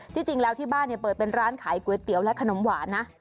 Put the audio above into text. จริงแล้วที่บ้านเปิดเป็นร้านขายก๋วยเตี๋ยวและขนมหวานนะ